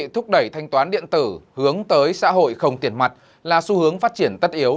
thúc đẩy thanh toán điện tử hướng tới xã hội không tiền mặt là xu hướng phát triển tất yếu